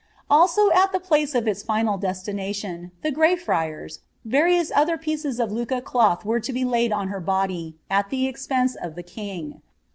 "' Also at the place of its final destination, the Grey Friar«, vuions olbe pieces of Lucca cloth were to be laid on her body, at the expense of ^ king.